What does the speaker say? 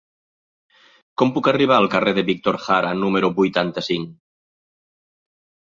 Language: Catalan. Com puc arribar al carrer de Víctor Jara número vuitanta-cinc?